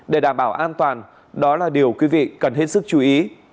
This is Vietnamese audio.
để đảm bảo an toàn đó là điều quý vị cần hết sức chú ý